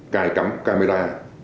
cài cắm camera